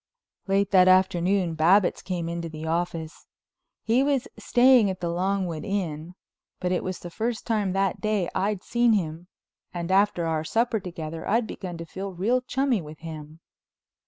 Late that afternoon Babbitts came into the office. He was staying at the Longwood Inn, but it was the first time that day I'd seen him and after our supper together I'd begun to feel real chummy with him.